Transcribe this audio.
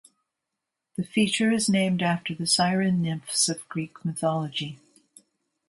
The feature is named after the Siren nymphs of Greek mythology.